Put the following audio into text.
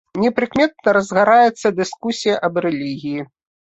Непрыкметна разгараецца дыскусія аб рэлігіі.